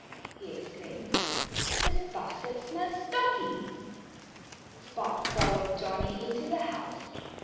he exclaimed. "This basket smells doggy!" Spot followed Johnnie into the house.